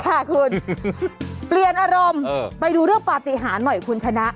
ค่ะคุณเปลี่ยนอารมณ์ไปดูเรื่องปฏิหารหน่อยคุณชนะ